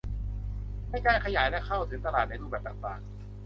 ในการขยายและเข้าถึงตลาดในรูปแบบต่างต่าง